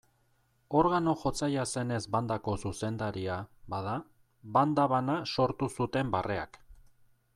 Organo-jotzailea zenez bandako zuzendaria, bada, banda bana sortu zuten barreak.